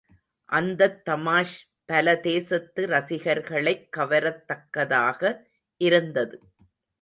அந்தத் தமாஷ் பல தேசத்து ரசிகர்களைக் கவரத்தக்கதாக இருந்தது.